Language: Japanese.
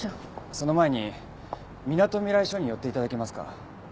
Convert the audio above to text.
その前にみなとみらい署に寄って頂けますか？